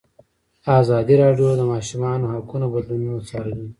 ازادي راډیو د د ماشومانو حقونه بدلونونه څارلي.